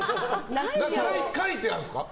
描いてあるんですか？